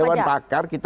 dewan pakar itu